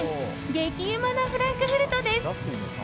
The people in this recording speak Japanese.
激うまなフランクフルトです。